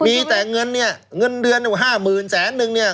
มีแต่เงินเนี่ยเงินเดือน๕๐๐๐แสนนึงเนี่ย